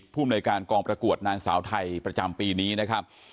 ภูมิหน่วยการกองประกวดนางสาวไทยประจำปีนี้นะครับ